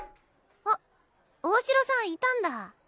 あっ大城さんいたんだ。